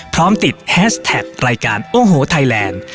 พร้อมติดแฮชแท็กรายการโอ้โหไทยแลนด์